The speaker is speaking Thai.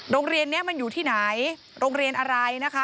โรงเรียนนี้มันอยู่ที่ไหนโรงเรียนอะไรนะคะ